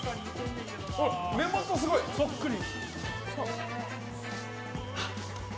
目元、すごいそっくり。